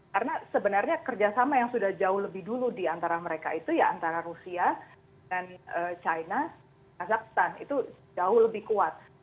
karena sebenarnya kerjasama yang sudah jauh lebih dulu di antara mereka itu ya antara rusia dan china kazakhstan itu jauh lebih kuat